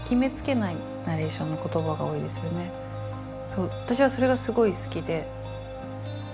そう私はそれがすごい好きで。